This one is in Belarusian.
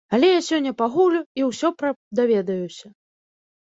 Але я сёння пагуглю і ўсё пра даведаюся!